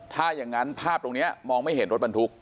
ถ้าอย่างนั้นภาพตรงนี้มองไม่เห็นรถบรรทุก